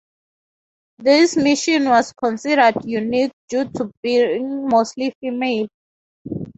This mission was considered unique due to being mostly female.